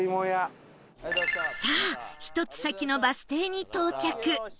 さあ１つ先のバス停に到着